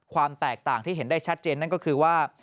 ความแตกต่างที่เห็นได้ชัดเจนนั่นก็คือว่า